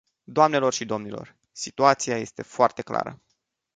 Doamnelor și domnilor, situația este foarte clară.